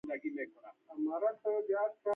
شپون د رمو ساتونکی دی.